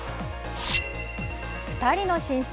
２人の新星。